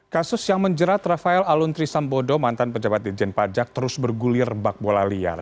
kasus yang menjerat rafael aluntri sambodo mantan pejabat dijen pajak terus bergulir bak bola liar